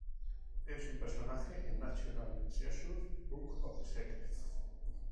Es un personaje en "National Treasure: Book of Secrets".